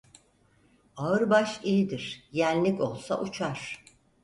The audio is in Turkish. Ağır baş iyidir, yenlik olsa uçar.